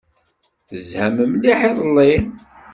Tezham mliḥ iḍelli?